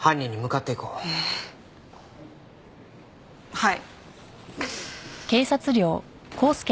はい。